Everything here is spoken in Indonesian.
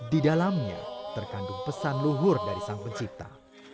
di dalamnya terkandung pesan luhur dari sang pencipta